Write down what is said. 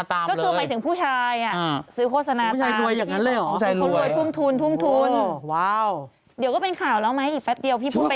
หมายถึงว่าหมายถึงว่าไง